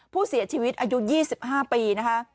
ผู้เสียชีวิตอายุ๒๕ปีนะคะ